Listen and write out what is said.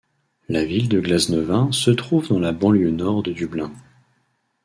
La ville de Glasnevin se trouve dans la banlieue nord de Dublin.